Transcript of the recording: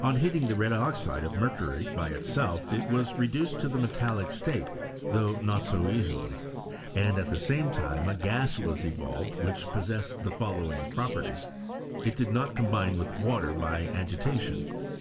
On heat ing the red oxide of mercury by itself it was re duced to the metallic state, though not so easily, and at the same time a gaa was evolved which pos sessed the following properties: 1 . It did not combine with water by agitation.